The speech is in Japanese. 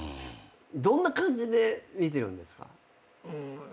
どんな感じで見てるんですか？